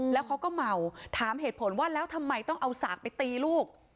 แล้วเขาก็เมาถามเหตุผลว่าแล้วทำไมต้องเอาสากไปตีลูก